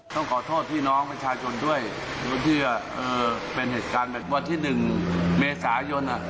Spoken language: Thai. ต้องขอโทษพี่น้องประชาชนด้วยที่เป็นเหตุการณ์แบบวันที่๑เมษายน